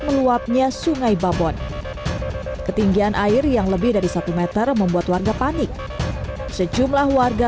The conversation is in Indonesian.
meluapnya sungai babon ketinggian air yang lebih dari satu meter membuat warga panik sejumlah warga